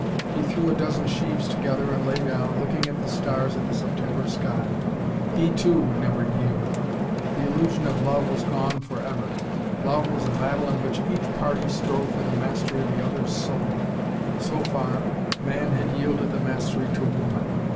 He threw a dozen sheaves together and lay down, looking at the stars in the September sky. He, too, would never yield. The illusion of love was gone for ever. Love was a battle in which each party strove for the mastery of the other's soul. So far, man had yielded the mastery to woman.